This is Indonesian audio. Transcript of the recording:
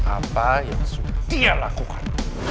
apa yang dia lakukan